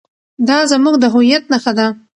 دا زموږ د هویت نښه ده.